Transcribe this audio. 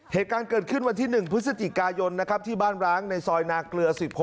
เหตุการณ์เกิดขึ้นวันที่๑พฤศจิกายนนะครับที่บ้านร้างในซอยนาเกลือ๑๖